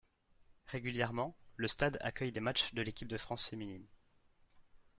Régulièrement, le stade accueille des matchs de l'équipe de France féminine.